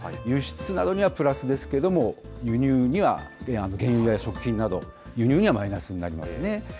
輸出などにはプラスですけれども、輸入には原油代、食品など、輸入にはマイナスになりますね。